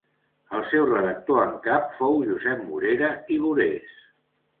El seu redactor en cap fou Josep Morera i Borés.